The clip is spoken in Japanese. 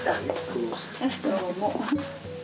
どうも。